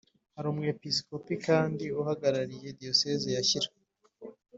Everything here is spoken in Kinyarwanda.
Hari Umwepiskopi kandi Uhagarariye Diyoseze ya Shyira